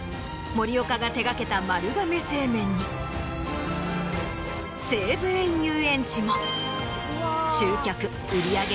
森岡が手掛けた丸亀製麺に西武園ゆうえんちも。